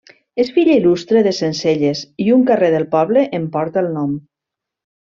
És filla il·lustre de Sencelles i un carrer del poble en porta el nom.